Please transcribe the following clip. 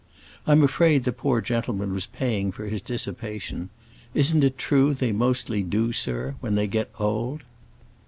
I'm afraid the poor gentleman was paying for his dissipation; isn't it true they mostly do, sir, when they get old?